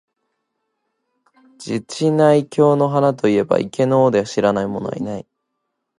禅智内供の鼻と云えば、池の尾で知らない者はない。